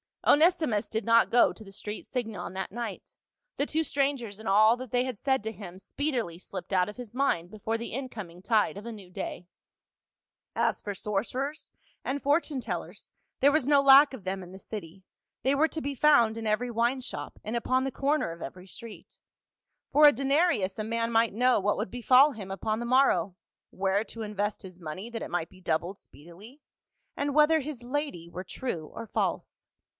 Onesimus did not go to the street Singon that night ; the two strangers and all that they had said to him speedily slipped out of his mind before the in coming tide of a new day. As for sorcerers and fortune tellers, there was no lack of them in the city, they were to be found in every wine shop, and upon the corner of every street ; for a denarius a man might know what would befall him upon the morrow ; where to invest his money that it might be doubled speedily, and whether his lady were true or false.